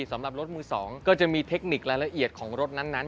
สำหรับรถมือ๒ก็จะมีเทคนิครายละเอียดของรถนั้น